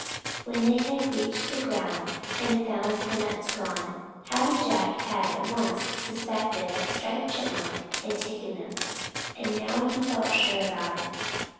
When they had reached the ground and found the nuts gone, Happy Jack had at once suspected that Striped Chipmunk had taken them, and now he felt sure about it.